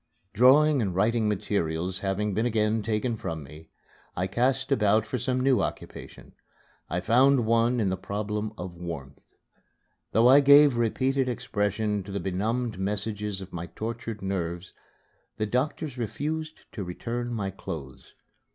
Drawing and writing materials having been again taken from me, I cast about for some new occupation. I found one in the problem of warmth. Though I gave repeated expression to the benumbed messages of my tortured nerves, the doctor refused to return my clothes.